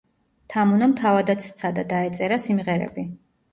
თამუნამ თავადაც სცადა, დაეწერა სიმღერები.